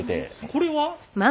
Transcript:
これは？